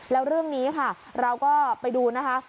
แล้วเรื่องนี้ค่ะเราก็ไปดูนะคะ